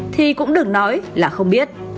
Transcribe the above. thì cũng đừng nói là không biết